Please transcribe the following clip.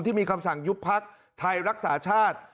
ที่มีคำสั่งยุบพักไทยรักษาชาติ